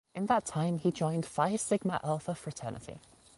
In that time he joined Phi Sigma Alpha fraternity.